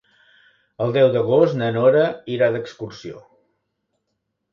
El deu d'agost na Nora irà d'excursió.